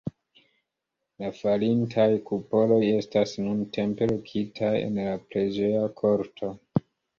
La falintaj kupoloj estas nuntempe lokitaj en la preĝeja korto.